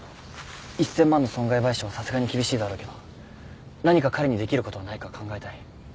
１，０００万の損害賠償はさすがに厳しいだろうけど何か彼にできることはないか考えたい。